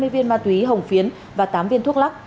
hai mươi viên ma túy hồng phiến và tám viên thuốc lắc